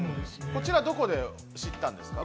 こちらは、どこで知ったんですか？